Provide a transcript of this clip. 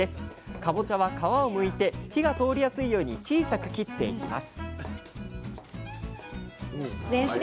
かぼちゃは皮をむいて火が通りやすいように小さく切っていきます